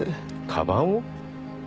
かばんを？